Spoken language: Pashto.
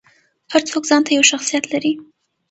هر څوک ځانته یو شخصیت لري.